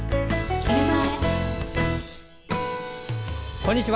こんにちは。